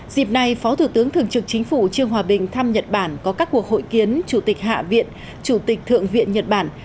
dịp này phó thủ tướng thường trực chính phủ trương hòa bình thăm nhật bản có các cuộc hội kiến chủ tịch hạ viện chủ tịch thượng viện nhật bản